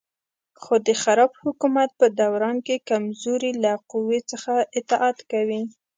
خو د خراب حکومت په دوران کې کمزوري له قوي څخه اطاعت کوي.